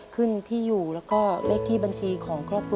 ขึ้นที่อยู่แล้วก็เลขที่บัญชีของครอบครัว